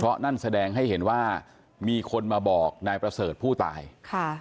เพราะนั่นแสดงให้เห็นว่ามีคนมาบอกนายประเสริฐผู้ตายค่ะ